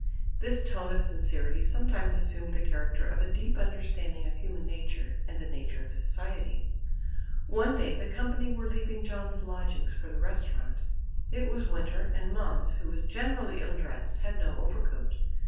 This tone of sincerity sometimes assumed the character of a deep understanding of human nature and the nature of society. One day the company were leaving John's lodgings for the restaurant. It was winter, and Måns, who was generally ill dressed, had no overcoat.